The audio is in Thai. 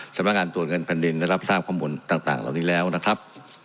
สำนักงานตรวจเงินแผ่นดินได้รับทราบข้อมูลต่างเหล่านี้แล้วนะครับ